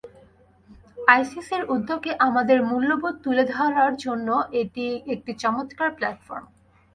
আইসিসির উদ্যোগে আমাদের মূল্যবোধ তুলে ধরার জন্য এটি একটি চমৎকার প্ল্যাটফর্ম।